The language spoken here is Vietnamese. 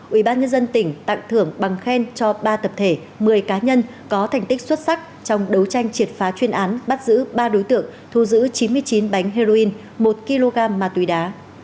ubnd tỉnh tặng thưởng bằng khen cho ba tập thể một mươi cá nhân có thành tích xuất sắc trong đấu tranh triệt phá chuyên án bắt giữ ba đối tượng thu giữ chín mươi chín bánh heroin một kg ma túy đá